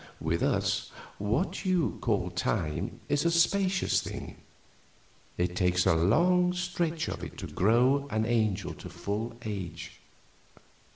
With us what you call time is a spacious thing; it takes a long stretch of it to grow an angel to full age."